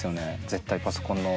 絶対パソコンの。